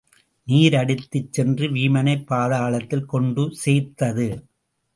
நீர் அடித்துச் சென்று வீமனைப் பாதளத்தில் கொண்டு சேர்த்தது.